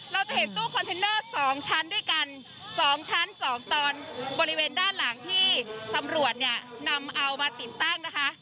เราจะเห็นตู้คอนเทนเนอร์๒ชั้นด้วยกัน๒ชั้น๒ตอนบริเวณด้านหลังที่ตำรวจเนี่ยนำเอามาติดตั้งนะคะ